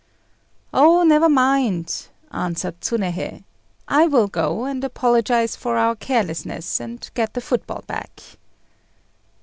"Oh, never mind," answered Tsunéhei; "I will go and apologize for our carelessness, and get the football back."